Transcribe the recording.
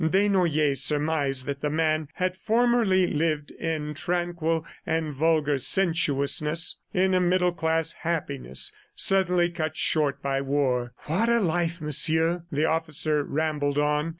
Desnoyers surmised that the man had formerly lived in tranquil and vulgar sensuousness, in a middle class happiness suddenly cut short by war. "What a life, Monsieur!" the officer rambled on.